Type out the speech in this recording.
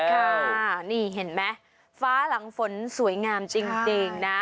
ค่ะนี่เห็นไหมฟ้าหลังฝนสวยงามจริงนะ